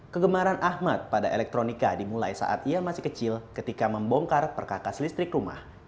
kegemaran ahmad pada elektronika dimulai saat ia masih kecil ketika membongkar perkakas listrik rumah